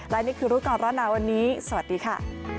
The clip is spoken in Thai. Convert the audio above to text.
และนี่คือรูปกรณ์รับนานวันนี้สวัสดีค่ะ